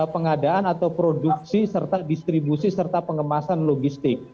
pengadaan atau produksi serta distribusi serta pengemasan logistik